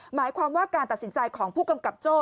หมายความว่าการตัดสินใจของผู้กำกับโจ้